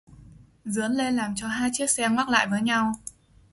rướn lên làm cho hai chiếc xe ngoắc lại với nhau